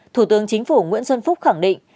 thủ tướng chính phủ nguyễn xuân phúc khẳng định